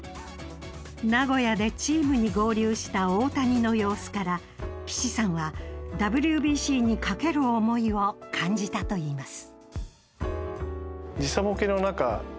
名古屋でチームに合流した大谷の様子から岸さんはＷＢＣに懸ける思いを感じたといいます。